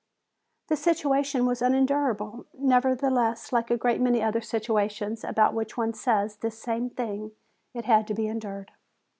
The situation was unendurable; nevertheless, like a great many other situations about which one says this same thing, it had to be endured.